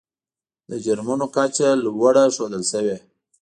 د جرمونو کچه لوړه ښودل شوې.